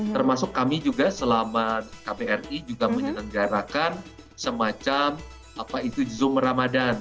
termasuk kami juga selama kbri juga menyelenggarakan semacam apa itu zoom ramadhan